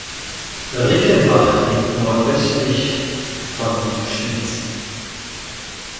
Rickenbach liegt nordöstlich von Schwyz.